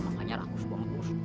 uh makannya lakus bongkus